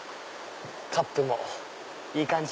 カップもいい感じ！